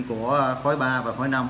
của khối ba và khối năm